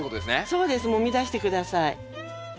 そうですもみ出して下さい。